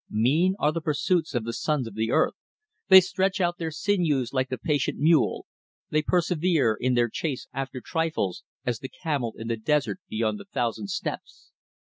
Mean are the pursuits of the sons of the earth; they stretch out their sinews like the patient mule, they persevere in their chase after trifles, as the camel in the desert beyond the Thousand Steps.